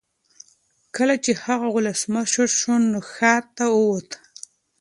کله چې هغه ولسمشر شو نو ښار ته وووت.